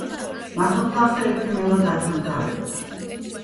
ნასოფლარზე ერთი მელა დაცანცარებდა.